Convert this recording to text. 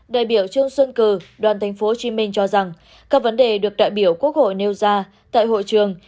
đại biểu trương xuân cử đoàn tp hcm cho rằng các vấn đề được đại biểu quốc hội nêu ra tại hội trường